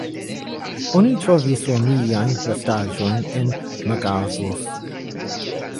Oni trovis romiajn restaĵojn en Magazos.